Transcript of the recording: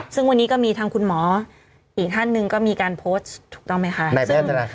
ซึ่งวันนี้ก็มีทางคุณหมออีกท่านหนึ่งก็มีการโพสต์ถูกต้องไหมคะ